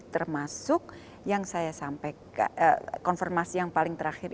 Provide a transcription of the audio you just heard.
termasuk yang saya sampaikan